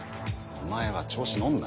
お前は調子乗んな。